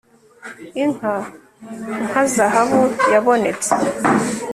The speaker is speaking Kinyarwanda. Inka nka zahabu yabonetse